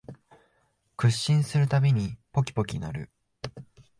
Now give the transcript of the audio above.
屈伸するたびにポキポキ鳴る